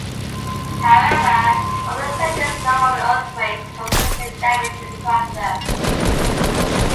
However, over the centuries a number of earthquakes caused significant damage to the structure.